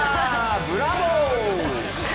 ブラボー！